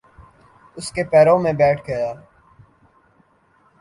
اس کے پیروں میں بیٹھ گیا۔